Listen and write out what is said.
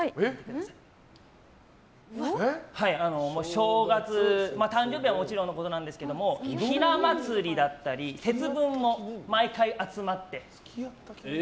正月、誕生日はもちろんのことなんですけどひな祭りだったり節分も毎回集まって。